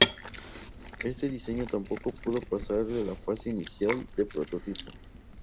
Este diseño tampoco pudo pasar de la fase inicial de prototipo.